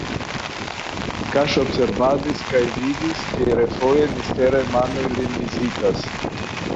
Kaŝobservadis kaj vidis, ke refoje misteraj manoj lin vizitas.